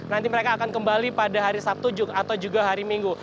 nanti mereka akan kembali pada hari sabtu atau juga hari minggu